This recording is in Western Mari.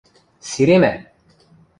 – Сиремӓ!